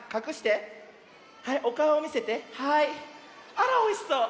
あらおいしそう。